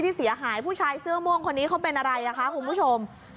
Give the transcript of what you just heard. เสียหายผู้ชายเสื้อม่วงคนนี้เขาเป็นอะไรอ่ะคะคุณผู้ชม